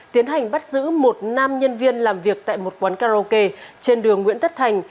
tiến hành bắt giữ một nam nhân viên làm việc tại một quán karaoke trên đường nguyễn tất thành